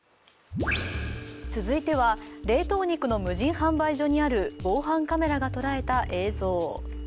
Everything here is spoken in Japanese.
続いては、冷凍肉の無人販売所にある防犯カメラがとらえた映像。